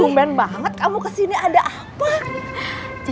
komen banget kamu kesini ada apa